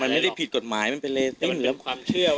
มันไม่ได้ผิดกฎหมายมันเป็นความเชื่อ